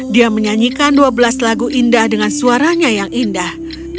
dia menyanyikan dua belas lagu indah dengan suaranya yang indah